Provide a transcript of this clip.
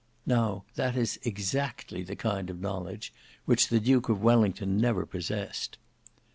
Now that is exactly the kind of knowledge which the Duke of Wellington never possessed.